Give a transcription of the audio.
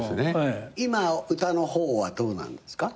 今歌の方はどうなんですか？